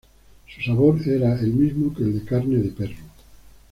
Su sabor era el mismo que el de carne de perro.